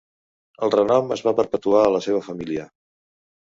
El renom es va perpetuar a la seva família.